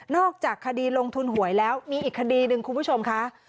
จากคดีลงทุนหวยแล้วมีอีกคดีหนึ่งคุณผู้ชมค่ะ